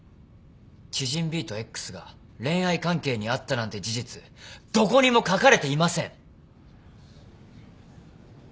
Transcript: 知人ＢとＸが恋愛関係にあったなんて事実どこにも書かれていません。